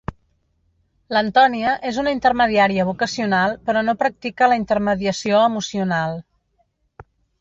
L'Antonia és una intermediària vocacional, però no practica la intermediació emocional.